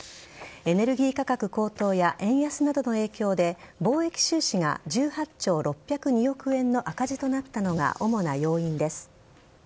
エネルギー価格高騰や円安などの影響で貿易収支が１８兆６０２億円の赤字となったのが主な要因です。